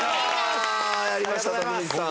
やりました徳光さん。